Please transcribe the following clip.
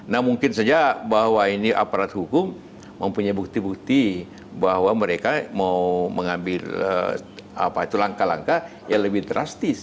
nah mungkin saja bahwa ini aparat hukum mempunyai bukti bukti bahwa mereka mau mengambil langkah langkah yang lebih drastis